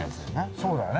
そうだね。